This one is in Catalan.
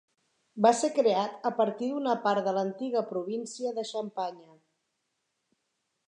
Va ser creat a partir d'una part de l'antiga província de Xampanya.